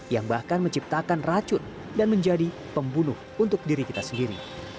yang bahkan menciptakan racun dan menjadi pembunuh untuk diri kita sendiri